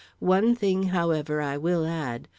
One thing, however, I will add.